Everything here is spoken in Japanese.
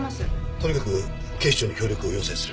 とにかく警視庁に協力を要請する。